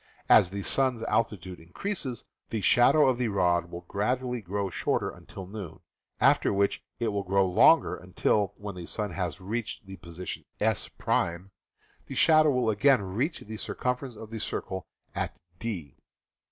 As the sun's altitude increases, the shadow of the rod will gradually grow shorter until noon, after which'it will grow longer until, when the sun has reached the position S', the shadow will again FOREST TRAVEL 193 reach the circumference of the circle, at D.